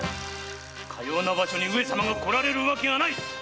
かような場所に上様が来られるわけがないっ！